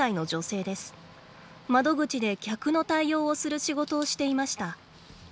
窓口で客の対応をする仕事をしていました。